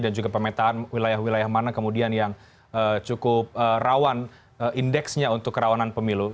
dan juga pemetaan wilayah wilayah mana kemudian yang cukup rawan indexnya untuk kerawanan pemilu